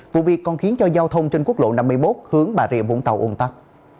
vụ việc còn khiến cho giao thông trên quốc lộ năm mươi một hướng bà rịa vũng tàu ồn tắc